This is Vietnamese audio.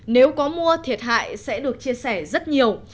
nếu có mua thiệt hại sẽ được chia sẻ rất nhiều